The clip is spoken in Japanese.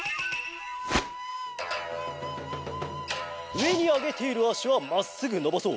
うえにあげているあしはまっすぐのばそう。